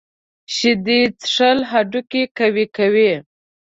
شیدې څښل هډوکي قوي کوي.